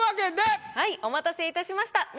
はいお待たせいたしました。